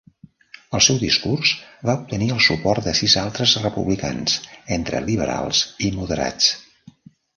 El seu discurs va obtenir el suport de sis altres republicans entre liberals i moderats.